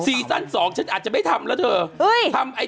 ลีนาซ่อน๒ฉันอาจจะไม่ทำแล้วเถอะ